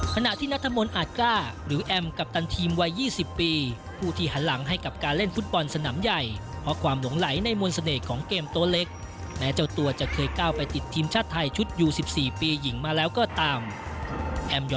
ขณะที่นัทมนต์อาจกล้าหรือแอมกัปตันทีมวัย๒๐ปีผู้ที่หลังให้กับการเล่นฟุตบอลสนามใหญ่